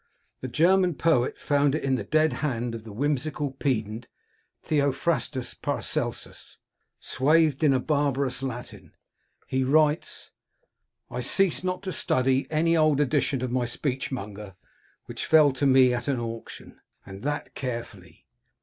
The German poet found it in the dead hand of the whimsical pedant, Theophrastus Paracelsus, swathed in barbarous Latin. He writes :—" I ceased not to study an old edition of my speechmonger, which fell to me at an auction, and that carefully.